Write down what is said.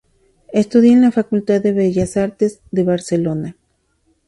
Estudió en la Facultad de Bellas Artes de Barcelona.